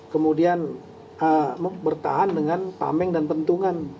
kemudian bertahan dengan pameng dan pentungan